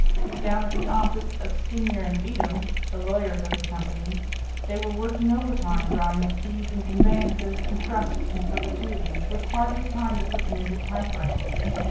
Down at the office of Skinyer and Beatem, the lawyers of the company, they were working overtime drawing up deeds and conveyances and trusts in perpetuity, with hardly time to put them into typewriting.